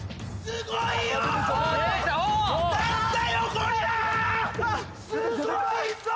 すごいぞ！